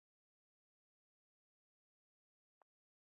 E yo machalo kamano, sirkal mar Kenya